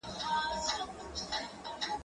کېدای سي ونه وچه سي!.